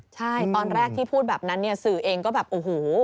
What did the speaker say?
ใช่ตอนแรกที่พูดแบบนั้นเนี่ยสื่อเองก็แบบโอ้โห